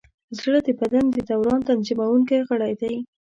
زړه د بدن د دوران تنظیمونکی غړی دی.